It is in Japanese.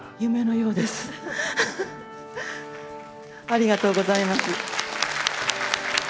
ありがとうございます。